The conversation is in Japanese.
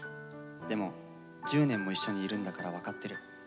でも１０年も一緒にいるんだから分かってる。